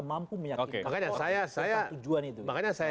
mampu meyakinkan makanya saya